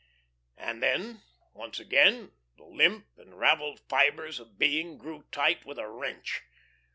And then, once again, the limp and ravelled fibres of being grew tight with a wrench.